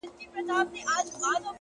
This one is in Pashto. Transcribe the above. و ماته به د دې وطن د کاڼو ضرورت سي”